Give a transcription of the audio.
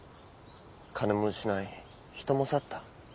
金も失い人も去った。